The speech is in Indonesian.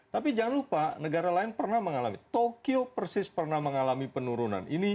tapi jangan lupa negara lain pernah mengalami tokyo persis pernah mengalami penurunan